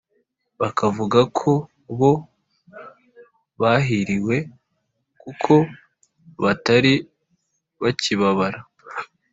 bakavuga ko bo bahiriwe kuko batari bakibabara,